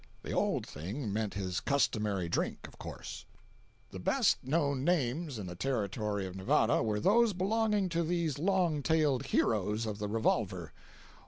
The "old thing" meant his customary drink, of course. 344.jpg (47K) The best known names in the Territory of Nevada were those belonging to these long tailed heroes of the revolver.